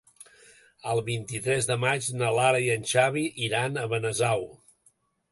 El vint-i-tres de maig na Lara i en Xavi iran a Benasau.